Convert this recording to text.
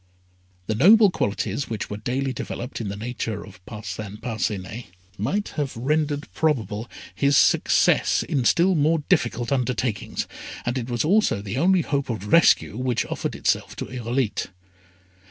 The noble qualities which were daily developed in the nature of Parcin Parcinet, might have rendered probable his success in still more difficult undertakings, and it was also the only hope of rescue which offered itself to Irolite.